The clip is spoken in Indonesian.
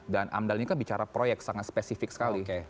dan amdal ini kan bicara proyek sangat spesifik sekali